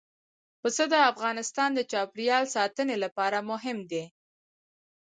پسه د افغانستان د چاپیریال ساتنې لپاره مهم دي.